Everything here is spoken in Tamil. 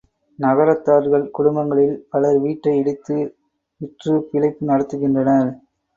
நகரத்தார்கள் குடும்பங்களில் பலர் வீட்டை இடித்து விற்றுப் பிழைப்பு நடத்துகின்றனர்.